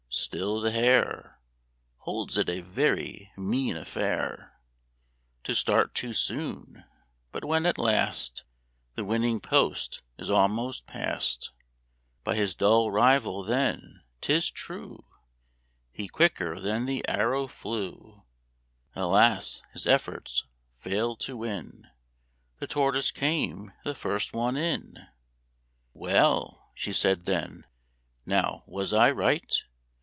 Still the Hare Holds it a very mean affair To start too soon; but when, at last, The winning post is almost past By his dull rival, then, 'tis true, He quicker than the arrow flew. Alas! his efforts failed to win, The Tortoise came the first one in. "Well," she said then, "now, was I right?